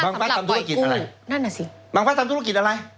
บางฟัดทำธุรกิจอะไรนั่นอ่ะสิบางฟัดทำธุรกิจอะไร